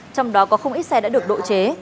trong đó có không ít xe đã được độ chế